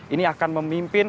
ini akan memimpin